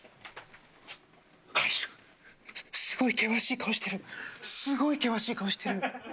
すごい険しい顔してるすごい険しい顔してる！